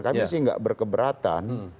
kami sih gak berkeberatan